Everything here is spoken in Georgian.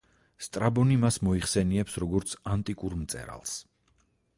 სტრაბონი მას მოიხსენიებს როგორც „ანტიკურ მწერალს“.